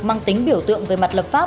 mang tính biểu tượng về mặt lập pháp